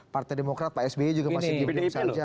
partai demokrat pak sby juga masih di pick saja